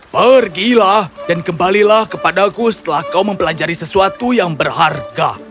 pergilah dan kembalilah kepadaku setelah kau mempelajari sesuatu yang berharga